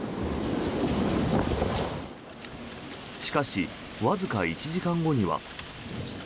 しかしわずか１時間後には。